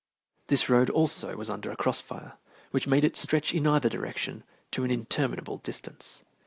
This road also was under a cross fire, which made it stretch in either direction to an interminable distance.